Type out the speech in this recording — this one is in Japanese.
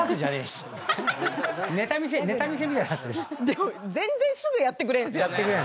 でも全然すぐやってくれるんですよね。